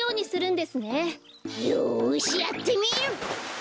よしやってみる！